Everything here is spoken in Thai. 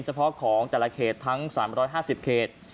เฉพาะของแต่ละเขตทั้ง๓๕๐เขต